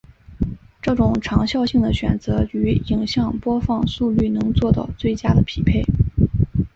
这种长效性的选择与影像播放速率能做最佳的匹配。